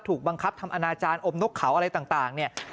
ถูกบังคับทำอนาจารอบนกเขาอะไรต่างเนี่ย